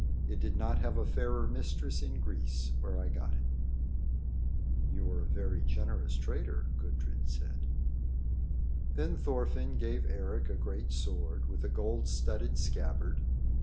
It did not have a fairer mistress in Greece where I got it." "You are a very generous trader," Gudrid said. Then Thorfinn gave Eric a great sword with a gold studded scabbard.